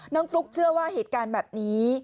ฟลุ๊กเชื่อว่าเหตุการณ์แบบนี้